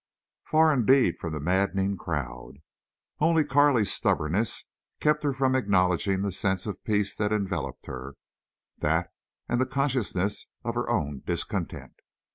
Far indeed from the madding crowd! Only Carley's stubbornness kept her from acknowledging the sense of peace that enveloped her—that and the consciousness of her own discontent.